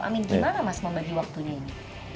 amin gimana mas membagi waktunya ini